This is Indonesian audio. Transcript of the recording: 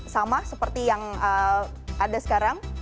sama seperti yang ada sekarang